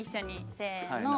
せの！